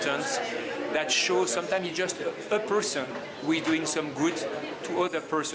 film pendek yang menceritakan jasa seorang pembulung sampah di susul dankarampig menjaga raya darkestu